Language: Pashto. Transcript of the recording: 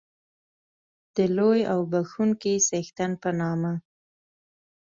د لوی او بښوونکي څښتن په نامه.